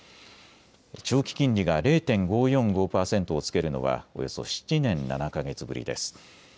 長期金利が０．５４５％をつけるのはおよそ７年７か月ぶりです。